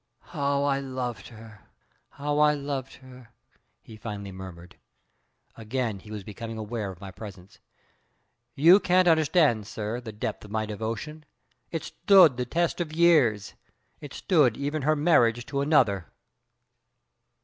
"How I loved her, how I loved her!" he finally murmured. Again he was becoming aware of my presence. "You can't understand, sir, the depth of my devotion. It stood the test of years it stood even her marriage to another."